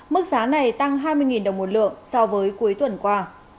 mức giá này tăng hai mươi đồng một lượng so với cuối tuần qua